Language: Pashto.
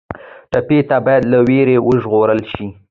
ټپي ته باید له وېرې وژغورل شي.